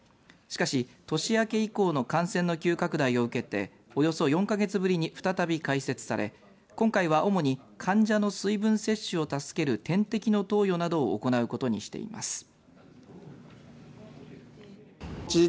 しかし、年明け以降の感染の急拡大を受けておよそ４か月ぶりに再び開設され今回は主に患者の水分摂取を助ける点滴の投与などを行うことにしています。